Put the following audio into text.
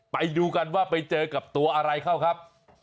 ไปดูกันว่าไปเจอกับตัวอะไรเข้าครับ